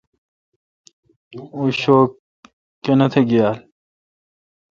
اوں شوک کینتھ یال۔